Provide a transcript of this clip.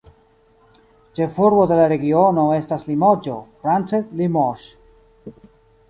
Ĉefurbo de la regiono estas Limoĝo, france "Limoges".